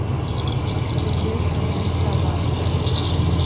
Тыге шонен Сава...